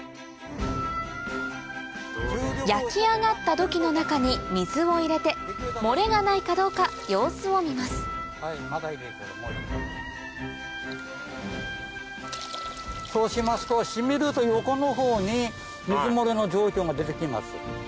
焼き上がった土器の中に水を入れて漏れがないかどうか様子を見ますそうしますと染みると横のほうに水漏れの状況が出て来ます。